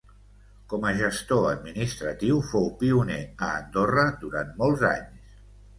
Com a gestor administratiu fou pioner a Andorra durant molts anys.